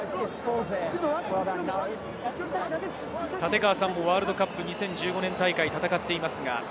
立川さんもワールドカップ２０１５年大会で戦っています。